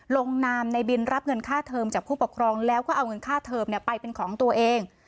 ลงนามในบินรับเงินค่าเทิมจากผู้ปกครองแล้วก็เอาเงินค่าเทอมไปเป็นของตัวเอง